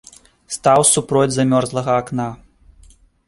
Стаў супроць замёрзлага акна.